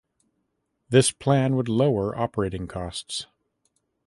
This plan would lower operating costs.